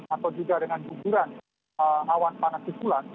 atau juga dengan hujuran awan panas di pulang